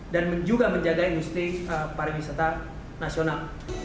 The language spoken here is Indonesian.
dan juga menjaga industri pariwisata nasional